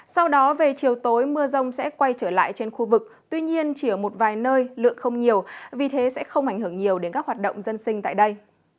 sau đó về chiều tối mưa rông sẽ quay trở lại trên khu vực tuy nhiên chỉ ở một vài nơi lượng không nhiều vì thế sẽ không ảnh hưởng nhiều đến các hoạt động dân sinh tại đây